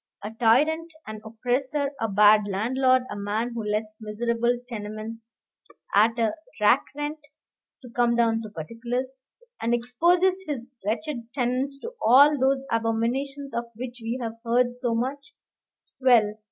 A tyrant, an oppressor, a bad landlord, a man who lets miserable tenements at a rack rent (to come down to particulars), and exposes his wretched tenants to all those abominations of which we have heard so much well!